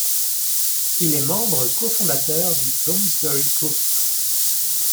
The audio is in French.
Il est membre cofondateur du Bloomsbury Group.